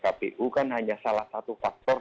kpu kan hanya salah satu faktor